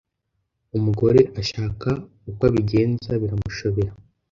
umugore ashaka uko abigenza biramushobera!